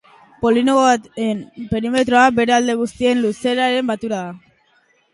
Poligono baten perimetroa bere alde guztien luzeren batura da.